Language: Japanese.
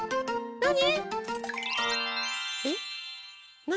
なに？